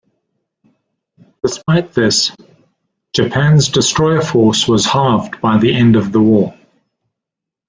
Despite this, Japan's destroyer force was halved by the end of the war.